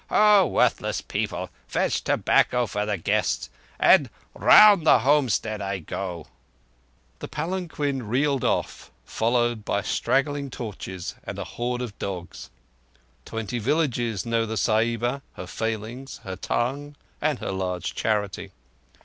Ho! worthless people, fetch tobacco for the guests, and—round the homestead go I!" The palanquin reeled off, followed by straggling torches and a horde of dogs. Twenty villages knew the Sahiba—her failings, her tongue, and her large charity.